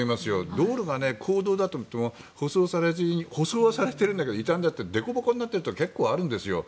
道路が公道だといっても舗装はされているけど傷んででこぼこになっているところが結構あるんですよ。